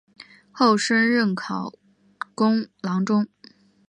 后升任考功郎中。